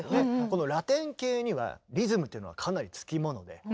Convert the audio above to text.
このラテン系にはリズムというのはかなり付き物で。